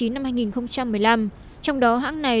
năm hai nghìn một mươi năm trong đó hãng này